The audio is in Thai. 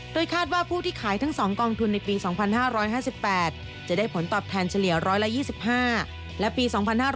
โดยคาดว่าผู้ที่ขายทั้ง๒กองทุนในปี๒๕๕๘